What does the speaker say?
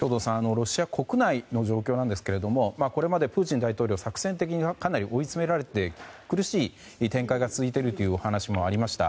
ロシア国内の状況ですがこれまでプーチン大統領は作戦的にかなり追い詰められて苦しい展開が続いているというお話もありました。